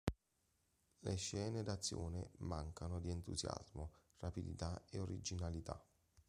Le scene d'azione mancano di entusiasmo, rapidità e originalità.